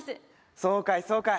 そうかいそうかい。